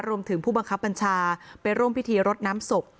ผู้บังคับบัญชาไปร่วมพิธีรดน้ำศพ